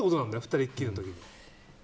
２人きりの時に。